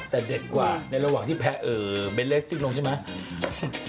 แต่เด็ดกว่าในระหว่างที่แพ้เบนเลสซิ่งลงใช่ไหม